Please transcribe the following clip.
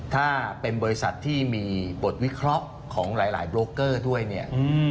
ถ้าเป็นบริษัทที่มีบทวิเคราะห์ของหลายหลายด้วยเนี้ยอืม